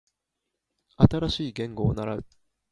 新しい言語を習う